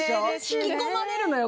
引き込まれるのよ